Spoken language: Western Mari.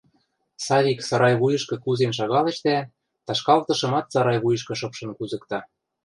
Савик сарайвуйышкы кузен шагалеш дӓ: ташкалтышымат сарайвуйышкы шыпшын кузыкта;